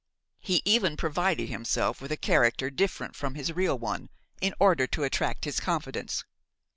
He even provided himself with a character different from his real one, in order to attract his confidence.